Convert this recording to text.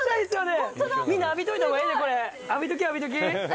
みんな、浴びといたほうがええで、これ、浴びとき、浴びとき。